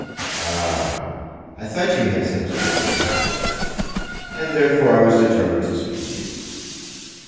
"Ah! I thought you had some such feeling as that, and therefore I was determined to speak to you.